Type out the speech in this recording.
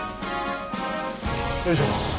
よいしょ。